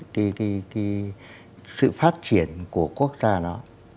cái cái cái sự phát triển của quốc gia đó